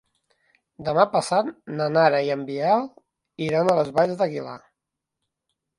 Demà passat na Nara i en Biel iran a les Valls d'Aguilar.